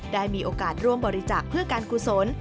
ได้มีโอกาสร่วมบริจาคเพื่อการกุศล